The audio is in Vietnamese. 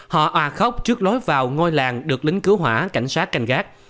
họ à khóc trước lối vào ngôi làng được lính cứu hỏa cảnh sát canh gác